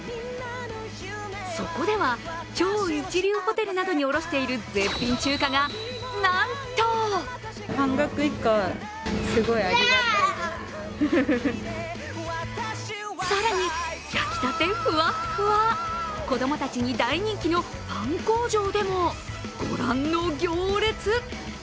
そこでは、超一流ホテルなどに卸している絶品中華がなんと更に焼きたてふわっふわ、子供たちに大人気のパン工場でもご覧の行列！